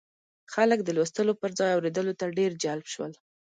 خلک د لوستلو پر ځای اورېدلو ته ډېر جلب شول.